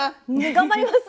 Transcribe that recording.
頑張ります！